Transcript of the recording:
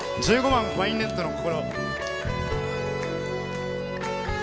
１５番「ワインレッドの心」。